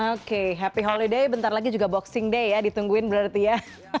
oke happy holiday bentar lagi juga boxing day ya ditungguin berarti ya